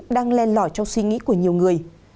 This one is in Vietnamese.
đang len lõi trong suy nghĩ của nhiều người